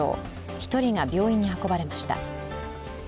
１人が病院に運ばれました。